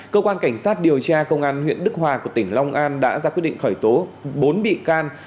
cơ quan cảnh sát điều tra công an huyện đức hòa của tỉnh long an đã ra quyết định khởi tố bốn bị can